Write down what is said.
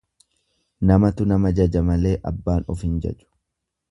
Namatu nama jaja malee abbaan of hin jaju.